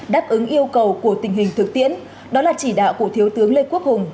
đáp ứng yêu cầu của tình hình thực tiễn đó là chỉ đạo của thiếu tướng lê quốc hùng